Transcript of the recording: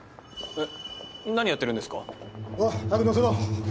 えっ？